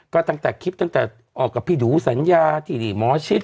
ก็ตั้งแต่คลิปตั้งแต่ออกกับพี่ดูสัญญาที่นี่หมอชิด